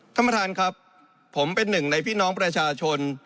ท่านประธานครับผมเป็นหนึ่งในพี่น้องประชาชน